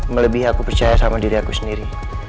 melebihi aku percaya sama diri aku sendiri